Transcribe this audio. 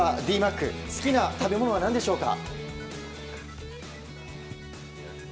好きな食べ物は何でしょうか。